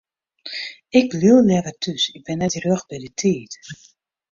Ik bliuw leaver thús, ik bin net rjocht by de tiid.